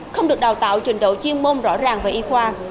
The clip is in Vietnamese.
không được đào tạo trình độ chuyên môn rõ ràng về y khoa